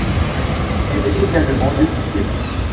Elle est également députée.